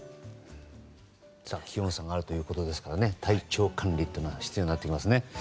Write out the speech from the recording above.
気温差があるということですから体調管理が必要になってきますね。